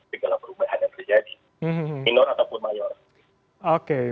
perubahan yang terjadi minor ataupun